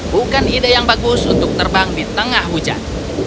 bukan ide yang bagus untuk terbang di tengah hujan